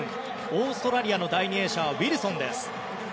オーストラリアの第２泳者はウィルソンです。